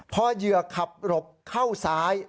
พอเหยื่อขับหลบเข้าซ้าย